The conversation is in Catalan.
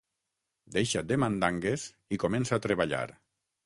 Deixa't de mandangues i comença a treballar.